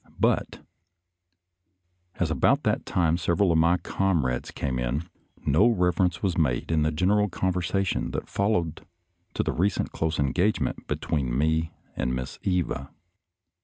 But as about that time several of my comrades came in, no reference was made in the general con versation that followed to the recent close en gagement between me and Miss Eva.